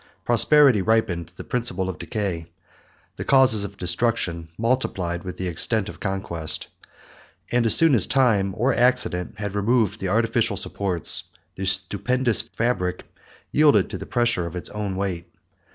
Prosperity ripened the principle of decay; the causes of destruction multiplied with the extent of conquest; and as soon as time or accident had removed the artificial supports, the stupendous fabric yielded to the pressure of its own weight.